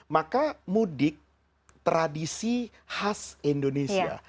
maka mudik tradisi khas indonesia